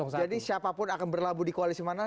jadi siapapun akan berlabuh di koalisi mana